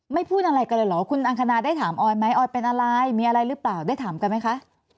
พูดอะไรกันเลยเหรอคุณอังคณาได้ถามออยไหมออยเป็นอะไรมีอะไรหรือเปล่าได้ถามกันไหมคะ